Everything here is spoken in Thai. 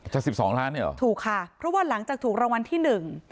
สิบสองล้านเนี่ยเหรอถูกค่ะเพราะว่าหลังจากถูกรางวัลที่หนึ่ง